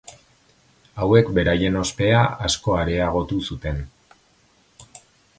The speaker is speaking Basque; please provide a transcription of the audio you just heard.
Hauek beraien ospea asko areagotu zuten.